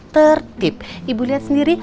tertib ibu lihat sendiri